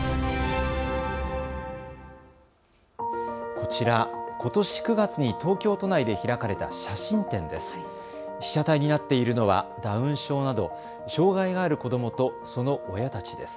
こちら、ことし９月に東京都内で開かれた写真展です。